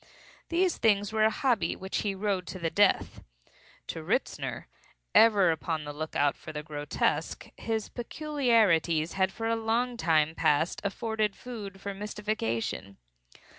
These things were a hobby which he rode to the death. To Ritzner, ever upon the lookout for the grotesque, his peculiarities had for a long time past afforded food for mystification.